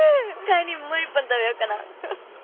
帰りにもう一本食べよかな。